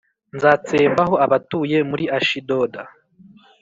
Nzatsembaho abatuye muri Ashidoda